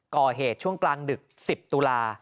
ก่อเหตุช่วงกลางดึก๑๐ตุลา